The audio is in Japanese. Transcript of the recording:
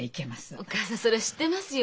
お義母さんそれは知ってますよ。